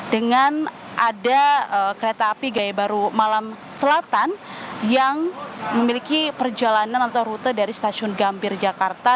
dengan ada kereta api gaya baru malam selatan yang memiliki perjalanan atau rute dari stasiun gambir jakarta